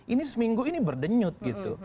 ini seminggu ini berdenyut gitu